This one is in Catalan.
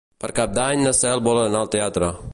Per Cap d'Any na Cel vol anar al teatre.